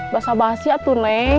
bahasa bahasia tuh neng